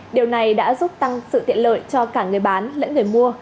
điều này đã giúp tăng sự tiện lợi cho cả người bán lẫn người mua